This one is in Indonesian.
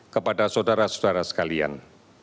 kepada saudara saudara sekalian